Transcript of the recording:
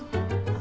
あ！！